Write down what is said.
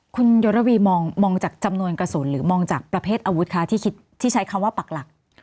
คุณยศระวีมองจากจำนวนกระสุนหรือมองจากประเภทอาวุธคะที่คิดที่ใช้คำว่าปักหลัก